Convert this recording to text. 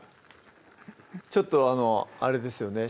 ちょっとあのあれですよね？